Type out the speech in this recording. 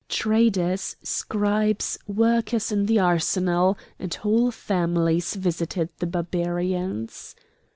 Traders, scribes, workers in the arsenal, and whole families visited the Barbarians.